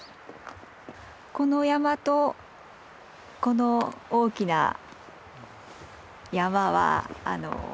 この山とこの大きな山は手作りの山。